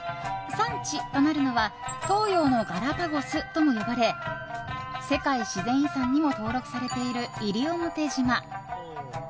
産地となるのは東洋のガラパゴスとも呼ばれ世界自然遺産にも登録されている西表島。